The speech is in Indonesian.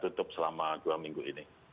tutup selama dua minggu ini